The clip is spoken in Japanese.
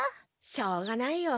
しょうがないよ。